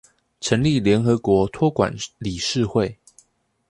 成立聯合國託管理事會